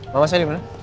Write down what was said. bal mama saya dimana